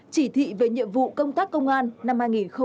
chỉ thị về nhiệm vụ công tác công an năm hai nghìn hai mươi ba